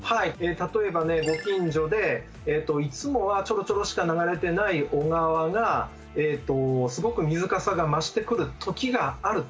例えばねご近所でいつもはちょろちょろしか流れてない小川がすごく水かさが増してくる時があると。